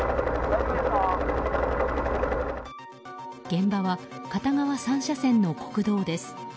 現場は片側３車線の国道です。